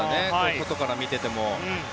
外から見ていても。